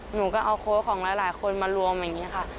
หนูก็เอาโค้ชของหลายคนมารวมอย่างนี้ค่ะ